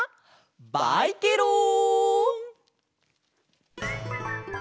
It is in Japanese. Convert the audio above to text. バイケロン！